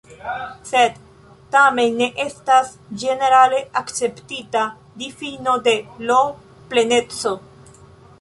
Sed tamen ne estas ĝenerale akceptita difino de L-pleneco.